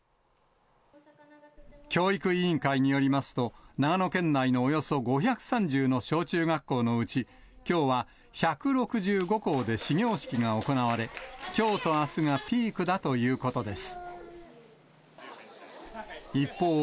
教育委員会によりますと、長野県内のおよそ５３０の小中学校のうち、きょうは１６５校で始業式が行われ、きょうとあすがピークだということです。